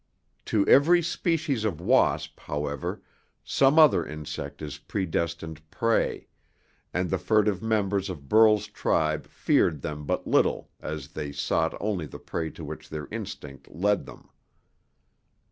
To every species of wasp, however, some other insect is predestined prey, and the furtive members of Burl's tribe feared them but little as they sought only the prey to which their instinct led them.